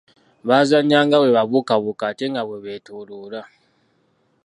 Bazannya nga bwe babuukabuuka ate nga bwe beetooloola.